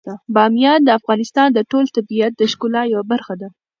بامیان د افغانستان د ټول طبیعت د ښکلا یوه برخه ده.